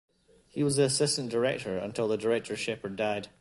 He was the assistant director until the director Shepard died.